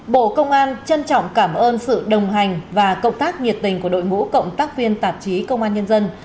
bộ công an trân trọng cảm ơn sự đồng hành và cộng tác nhiệt tình của đội ngũ cộng tác viên tạp chí công an nhân dân